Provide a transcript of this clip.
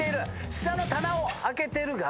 下の棚を開けているが。